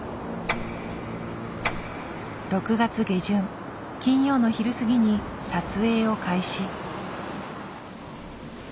６月下旬金曜の昼過ぎに撮影を開始。